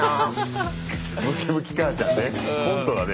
ムキムキ母ちゃんね。